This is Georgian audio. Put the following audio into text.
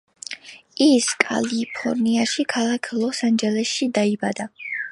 ის კალიფორნიაში, ქალაქ ლოს ანჯელესში დაიბადა.